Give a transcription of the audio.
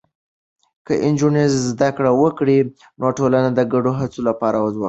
که نجونې زده کړه وکړي، نو ټولنه د ګډو هڅو لپاره ځواکمنه ده.